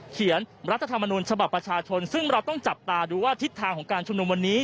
รัฐธรรมนุนฉบับประชาชนซึ่งเราต้องจับตาดูว่าทิศทางของการชุมนุมวันนี้